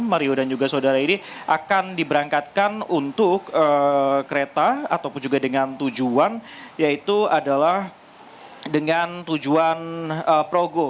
mario dan juga saudara ini akan diberangkatkan untuk kereta ataupun juga dengan tujuan yaitu adalah dengan tujuan progo